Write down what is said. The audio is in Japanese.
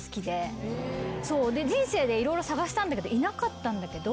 人生で色々探したんだけどいなかったんだけど。